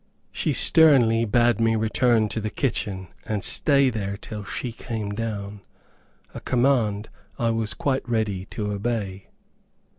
She sternly bade me return to the kitchen, and stay there till she came down; a command I was quite ready to obey.